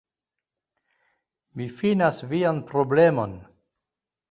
Mi finas vian problemon